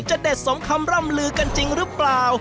เด็ดสมคำร่ำลือกันจริงหรือเปล่า